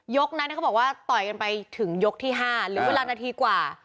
นั้นเขาบอกว่าต่อยกันไปถึงยกที่๕หรือเวลานาทีกว่า